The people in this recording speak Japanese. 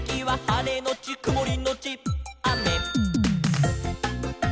「はれのちくもりのちあめ」